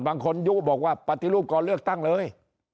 บางคนยุบอกว่าปฏิรูปก่อนเลือกตั้งเลย